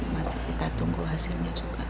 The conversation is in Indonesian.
masih kita tunggu hasilnya juga